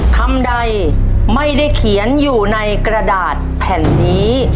คำใดไม่ได้เขียนอยู่ในกระดาษแผ่นนี้